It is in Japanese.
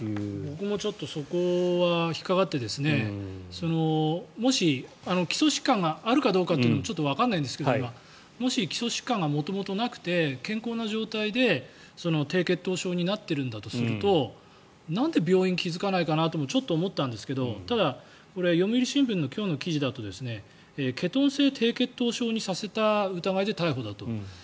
僕もちょっとそこは引っかかってもし、基礎疾患があるかどうかというのもちょっとわからないんですがもし、基礎疾患が元々なくて健康な状態で、低血糖症になっているんだとするとなんで病院は気付かないかなともちょっと思ったんですけどただ、読売新聞の今日の記事だとケトン性低血糖症にさせた疑いで逮捕だと。